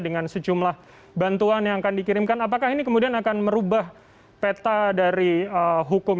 dengan sejumlah bantuan yang akan dikirimkan apakah ini kemudian akan merubah peta dari hukum